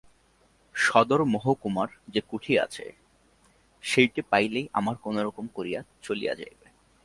সদর মহকুমার যে কুঠি আছে সেইটে পাইলেই আমাদের কোনোরকম করিয়া চলিয়া যাইবে।